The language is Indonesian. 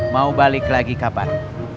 mau balik lagi kapan